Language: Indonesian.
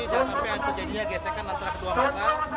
dan sampai terjadinya gesekan antara kedua masa